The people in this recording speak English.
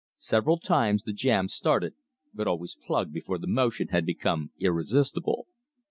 Several times the jam started, but always "plugged" before the motion had become irresistible.